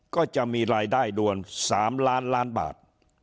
ก็จะมีรายได้ด่วน๓ล้านล้านบาท